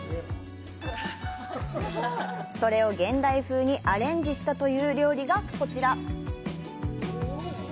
それを、現代風にアレンジしたという料理が、こちら。